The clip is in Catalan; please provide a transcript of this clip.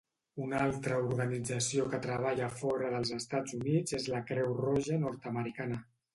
Un altre organització que treballa fora dels Estats Units és la Creu Roja Nord-americana.